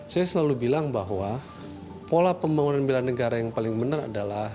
saya selalu bilang bahwa pola pembangunan bela negara yang paling benar adalah